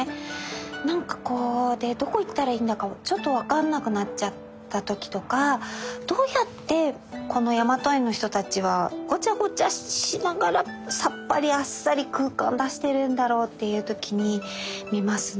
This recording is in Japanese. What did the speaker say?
なんかこうどこいったらいいんだかちょっと分かんなくなっちゃった時とかどうやってこの「やまと絵」の人たちはごちゃごちゃしながらさっぱりあっさり空間出しているんだろうっていう時に見ますね。